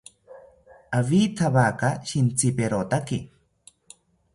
Awithawaka shintziperotaki